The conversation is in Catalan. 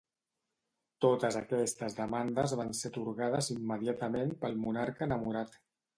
Totes aquestes demandes van ser atorgades immediatament pel monarca enamorat.